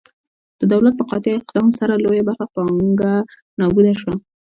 د دولت په قاطع اقدام سره لویه برخه پانګه نابوده شوه.